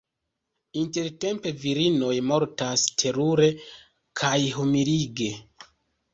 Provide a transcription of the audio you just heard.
Intertempe virinoj mortas terure kaj humilige.